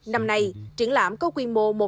năm nay trưởng lãm có quy mô một